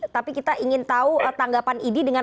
tapi kita ingin tahu tanggapan idi dengan